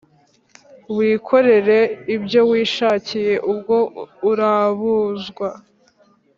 Wikorerere ibyo wishakiye ubwo urabuzwa